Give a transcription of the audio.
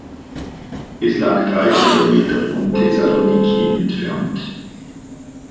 Es lag drei Kilometer von Thessaloniki entfernt.